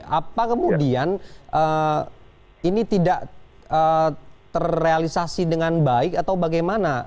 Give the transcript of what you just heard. apa kemudian ini tidak terrealisasi dengan baik atau bagaimana